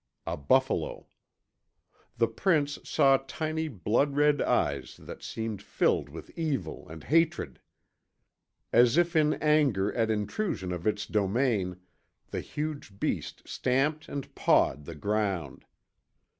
A buffalo. The prince saw tiny blood red eyes that seemed filled with evil and hatred. As if in anger at intrusion of its domain, the huge beast stamped and pawed the ground.